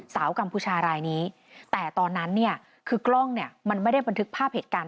กัมพูชารายนี้แต่ตอนนั้นเนี่ยคือกล้องเนี่ยมันไม่ได้บันทึกภาพเหตุการณ์